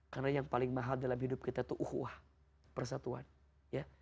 karena yang paling mahal dalam hidup kita tuh uhuah persatuan ya